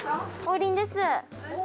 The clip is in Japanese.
王林です。